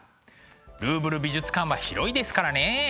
ルーブル美術館は広いですからね。